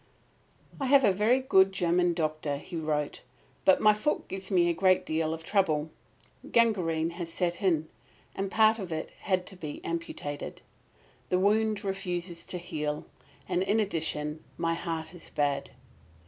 "I have a very good German doctor," he wrote. "But my foot gives me a great deal of trouble. Gangrene set in and part of it had to be amputated. The wound refuses to heal, and in addition my heart is bad."